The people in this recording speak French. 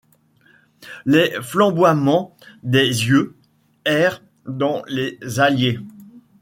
Les flamboiements des yeux errent dans les halliers :